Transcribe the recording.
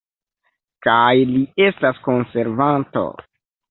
Kaj li estas konservanto!